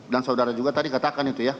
dan saudara juga tadi katakan itu ya